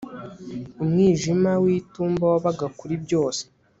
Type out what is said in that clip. Umwijima witumba wabaga kuri byose